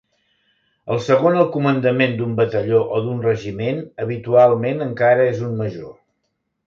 El segon al comandament d'un batalló o d'un regiment habitualment encara és un major.